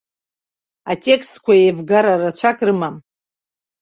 Атекстқәа еивгара рацәак рымам.